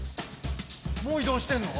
もう移動してんの？